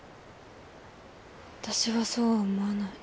私はそうは思わない。